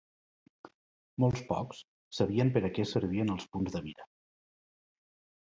Molt pocs, sabien per a què servien els punts de mira